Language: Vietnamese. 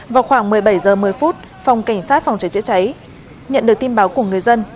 vào khoảng một mươi bảy h một mươi phòng cảnh sát phòng cháy chữa cháy nhận được tin báo của người dân